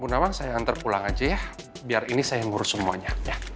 gunawan saya antar pulang aja ya biar ini saya ngurus semuanya